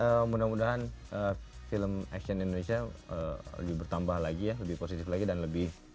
oke iya mudah mudahan film action indonesia lagi bertambah lagi lebih positif lagi dan lebih